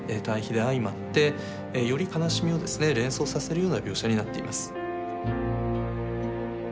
対比で相まってより悲しみを連想させるような描写になっています。